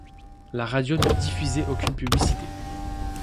La radio ne diffusait aucune publicité.